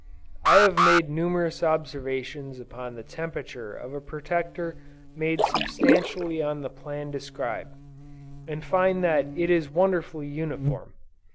I have made numerous observations upon the temperature of a Protector made substantially on the plan described, and find that it is wonderfully uniform.